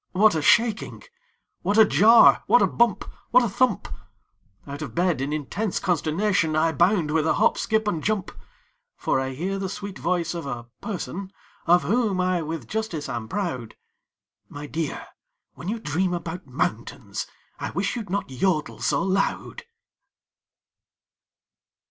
what a shaking! What a jar! what a bump! what a thump! Out of bed, in intense consternation, I bound with a hop, skip, and jump. For I hear the sweet voice of a "person" Of whom I with justice am proud, "_My dear, when you dream about mountains, I wish you'd not jodel so loud!